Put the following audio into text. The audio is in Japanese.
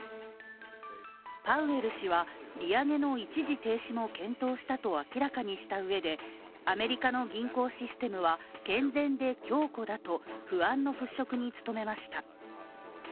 パウエル氏は、利上げの一時停止も検討したと明らかにしたうえで、アメリカの銀行システムは健全で強固だと不安の払拭に努めました。